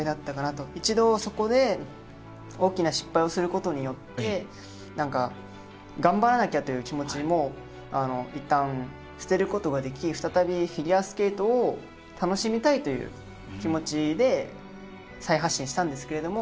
一度そこで大きな失敗をすることによって頑張らなきゃという気持ちもいったん捨てることができ再びフィギュアスケートを楽しみたいという気持ちで再発進したんですけれども。